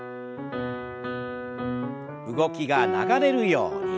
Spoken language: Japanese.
動きが流れるように。